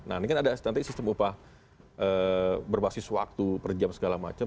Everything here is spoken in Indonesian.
nah ini kan ada nanti sistem upah berbasis waktu per jam segala macam